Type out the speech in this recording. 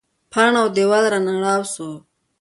پاڼ او دیوال رانړاوه سو.